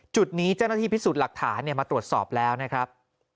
จุดนี้เจ้าหน้าที่พิสูจน์หลักฐานมาตรวจสอบแล้วนะครับ